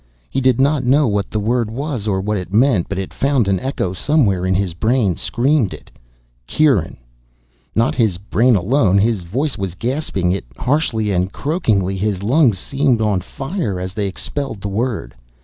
He did not know what the word was or what it meant but it found an echo somewhere and his brain screamed it. "Kieran!" Not his brain alone, his voice was gasping it, harshly and croakingly, his lungs seeming on fire as they expelled the word.